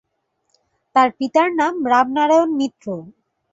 তাঁর পিতার নাম রামনারায়ণ মিত্র।